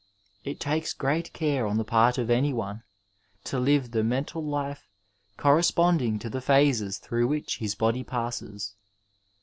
It takes gsaat caie on the part of any one to liye the mental life oom^^onding to the phases tfaioogh which his body passes.